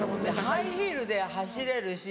ハイヒールで走れるし。